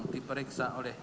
diperiksa oleh ahli